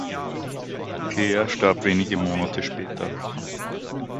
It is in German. Klehr starb wenige Monate später.